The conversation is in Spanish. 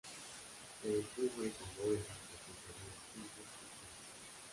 Se cubre con bóvedas de crucería simple con clave.